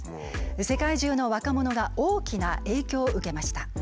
世界中の若者が大きな影響を受けました。